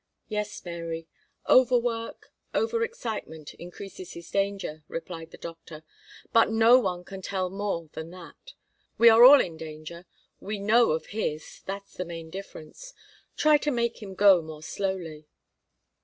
"Yes, Mary; over work, over excitement increases his danger," replied the doctor. "But no one can tell more than that. We are all in danger; we know of his that's the main difference. Try to make him go more slowly."